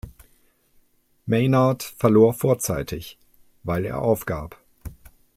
Maynard verlor vorzeitig, weil er aufgab.